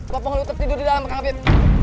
papung hulu tertidur di dalam kang afin